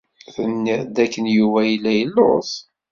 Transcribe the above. Tenniḍ-d dakken Yuba yella yelluẓ.